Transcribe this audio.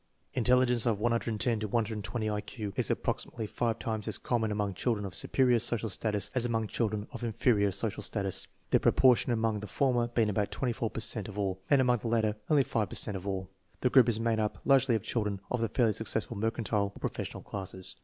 Intelligence of 110 to 120 I Q is approximately five times as common among children of superior social status as among children of inferior social status; the proportion among the former being about 24 per cent of all, and among the latter only 5 per cent of all. The group is made up largely of children of the fairly successful mercantile or professional classes.